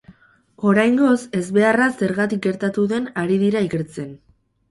Oraingoz, ezbeharra zergatik gertatu den ari dira ikertzen.